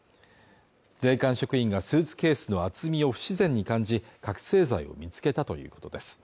税関職員がスーツケースの厚みを不自然に感じ覚醒剤を見つけたということです